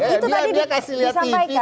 itu tadi disampaikan